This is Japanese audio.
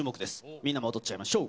みんなも踊っちゃいましょう。